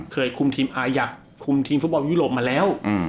คุมทีมอายัดคุมทีมฟุตบอลยุโรปมาแล้ว